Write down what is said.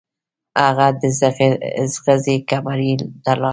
هغه د زغرې کمرې ته لاړ.